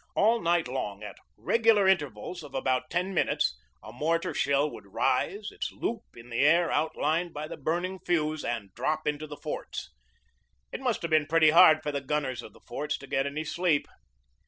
All night long, at regular intervals of about ten min utes, a mortar shell would rise, its loop in the air out lined by the burning fuse, and drop into the forts. It must have been pretty hard for the gunners of the forts to get any sleep.